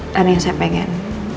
dan yang saya pengen